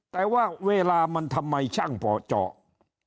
แต่ว่าเวลามันทำไมช่างพอเจาะ